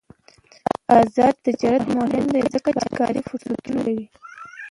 آزاد تجارت مهم دی ځکه چې کاري فرصتونه جوړوي.